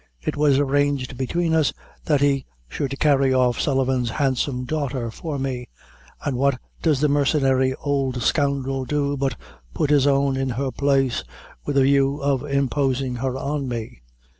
It was arranged between us that he should carry off Sullivan's handsome daughter for me and what does the mercenary old scoundrel do but put his own in her place, with a view of imposing her on me."